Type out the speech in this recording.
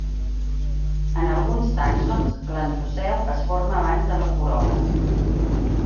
En alguns tàxons, l'androceu es forma abans de la corol·la.